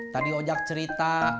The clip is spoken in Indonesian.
tadi ojak cerita